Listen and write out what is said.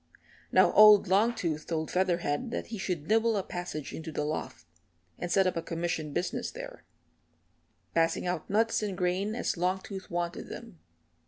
Now old Longtooth told Featherhead that he should nibble a passage into the loft, and set up a commission business there passing out nuts and grain as Longtooth wanted them.